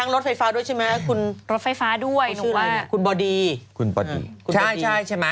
รวมทั้งรถไฟฟ้าด้วยใช่ไหม